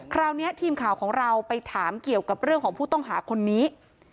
คราวนี้ทีมข่าวของเราไปถามเกี่ยวกับเรื่องของผู้ต้องหาคนนี้